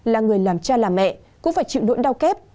là người làm cha làm mẹ cũng phải chịu nỗi đau kép